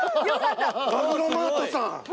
マグロマートさん。